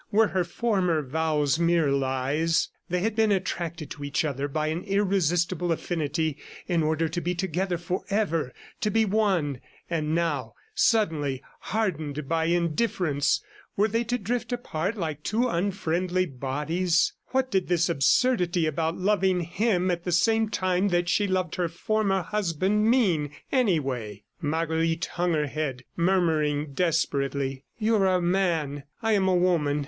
Were her former vows mere lies? ... They had been attracted to each other by an irresistible affinity in order to be together forever, to be one. ... And now, suddenly hardened by indifference, were they to drift apart like two unfriendly bodies? ... What did this absurdity about loving him at the same time that she loved her former husband mean, anyway? Marguerite hung her head, murmuring desperately: "You are a man, I am a woman.